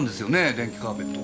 電気カーペット。